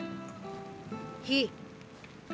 火。